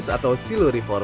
dan dekat area baru baru saya